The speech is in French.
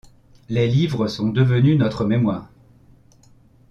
Les livres sont devenus notre mémoire.